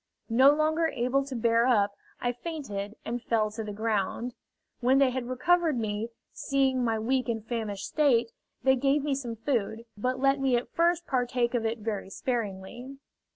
No longer able to bear up, I fainted and fell to the ground. When they had recovered me, seeing my weak and famished state, they gave me some food, but let me at first partake of it very sparingly.